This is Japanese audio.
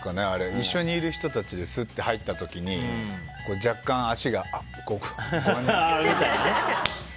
一緒にいる人たちですっと入った時に若干、足があ、ごめんね、みたいな。